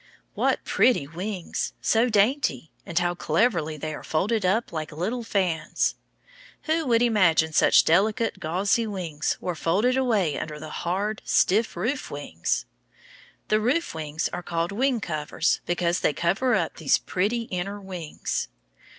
What pretty wings! So dainty! And how cleverly they are folded up, like little fans. Who would imagine such delicate gauzy wings were folded away under the hard, stiff roof wings. The roof wings are called wing covers, because they cover up these pretty inner wings.